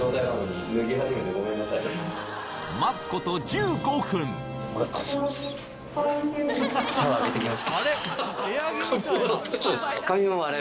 待つこと１５分ハハハハあれ？